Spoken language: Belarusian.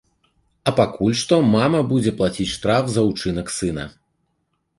А пакуль што мама будзе плаціць штраф за ўчынак сына.